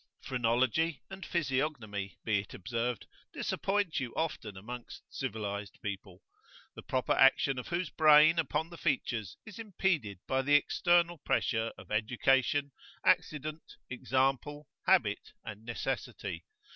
Phrenology and physiognomy, be it observed, disappoint you often amongst civilised people, the proper action of whose brain upon the features is impeded by the external pressure of education, accident, example, habit, and necessity.